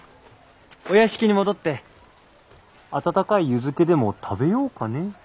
お屋敷に戻って温かい湯漬けでも食べようかねえ？